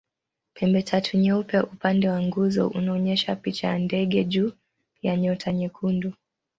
Pembetatu nyeupe upande wa nguzo unaonyesha picha ya ndege juu ya nyota nyekundu.